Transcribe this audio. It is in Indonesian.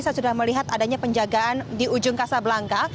saya sudah melihat adanya penjagaan di ujung kasab langka